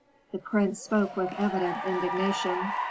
The prince spoke with evident indignation.